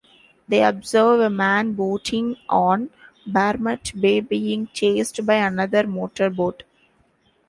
They observe a man boating on Barmet Bay being chased by another motorboat.